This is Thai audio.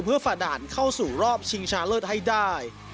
เพื่อฝ่าด่านเข้าสู่รอบชิงชาเลิศให้ได้